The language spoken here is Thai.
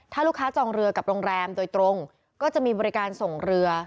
ถ้าลูกค้าจองเรือกับโรงแรมโดยตรงก็จะมีบริการส่งเรือ